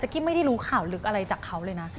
กี้ไม่ได้รู้ข่าวลึกอะไรจากเขาเลยนะ